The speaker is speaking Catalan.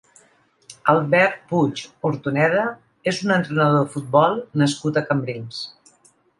Albert Puig Ortoneda és un entrenador de futbol nascut a Cambrils.